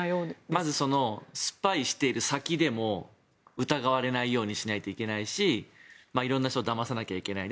まずスパイしている先でも疑われないようにしないといけないし色んな人をだまさなきゃいけない。